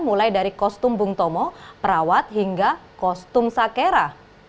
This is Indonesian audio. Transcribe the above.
mulai dari kostum bungtomo perawat hingga kostum sakera